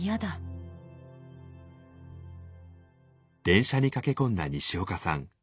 電車に駆け込んだにしおかさん。